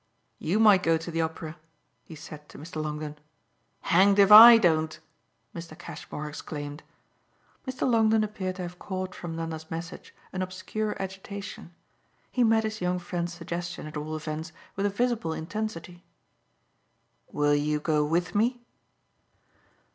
"You might go to the opera," he said to Mr. Longdon. "Hanged if I don't!" Mr. Cashmore exclaimed. Mr. Longdon appeared to have caught from Nanda's message an obscure agitation; he met his young friend's suggestion at all events with a visible intensity. "Will you go with me?"